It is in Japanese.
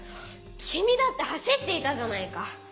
きみだって走っていたじゃないか！